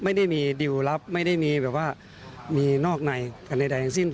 ไม่ได้มีดิวรับไม่ได้มีแบบว่ามีนอกในกันใดทั้งสิ้น